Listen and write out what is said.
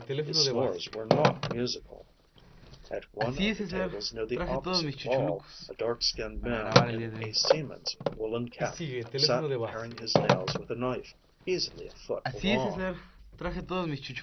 His snores were not musical. At one of the tables near the opposite wall, a dark skinned man in a seaman's woolen cap sat paring his nails with a knife easily a foot long.